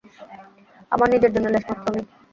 আমার নিজের জন্যে লেশমাত্র নেই।